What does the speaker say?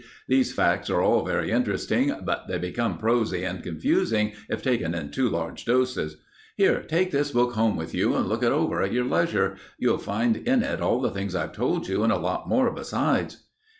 These facts are all very interesting, but they become prosy and confusing if taken in too large doses. Here, take this book home with you, and look it over at your leisure. You'll find in it all the things I've told you and a lot more besides."